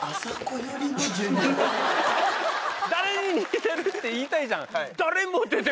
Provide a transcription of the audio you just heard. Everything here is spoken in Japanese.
誰に似てるって言いたいじゃん。